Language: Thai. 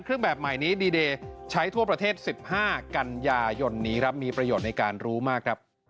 เครื่องแบบใหม่นี้ดีเดย์ใช้ทั่วประเทศ๑๕กันยายนนี้ครับมีประโยชน์ในการรู้มากครับ